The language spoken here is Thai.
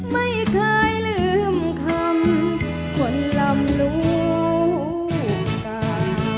ไม่เคยลืมคำคนลำลูกกา